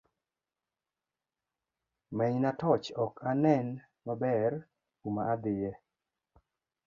Menyna torch ok anen maber kuma adhie